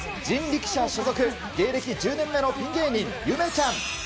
人力舎所属、芸歴１０年目のピン芸人、ゆめちゃん。